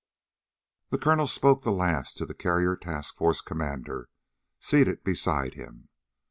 The colonel spoke the last to the carrier task force commander seated beside him.